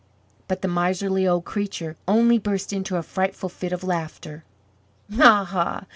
But the miserly old creature only burst into a frightful fit of laughter. "Aha!